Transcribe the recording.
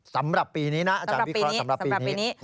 สำหรับปีนี้นะอาจารย์วิเคราะห์สำหรับปีนี้